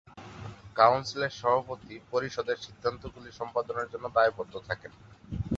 কাউন্সিলের সভাপতি, পরিষদের সিদ্ধান্তগুলি সম্পাদনের জন্য দায়বদ্ধ থাকেন।